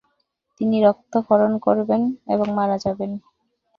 তিনি রক্তক্ষরণ করবেন এবং মারা যাবেন।